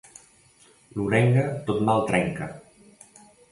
L'orenga tot mal trenca.